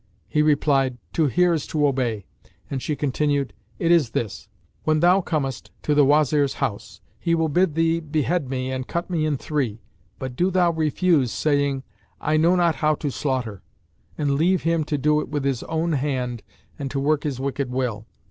He replied "To hear is to obey," and she continued, "It is this: when thou comest to the Wazir's house, he will bid thee behead me and cut me in three; but do thou refuse saying, 'I know not how to slaughter[FN#473]' and leave him to do it with his own hand and to work his wicked will.